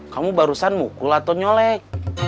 kamu barusan mukul atau nyolek